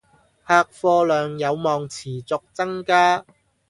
客貨量有望持續增加